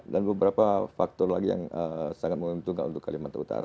dan beberapa faktor lagi yang sangat menguntungkan untuk kalimantan utara